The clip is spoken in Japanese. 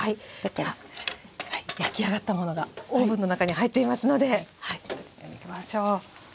では焼き上がったものがオーブンの中に入っていますのではい行きましょう。